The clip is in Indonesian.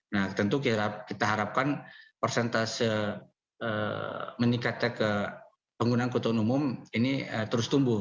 nah tentu kita harapkan persentase meningkatnya ke pengguna angkutan umum ini terus tumbuh